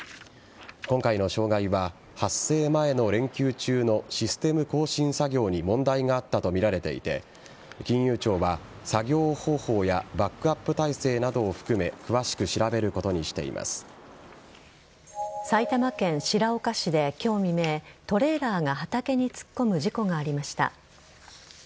今回の障害は発生前の連休中のシステム更新作業に問題があったとみられていて金融庁は作業方法やバックアップ態勢などを含め埼玉県白岡市で今日未明トレーラーが畑に突っ込む事故がありました。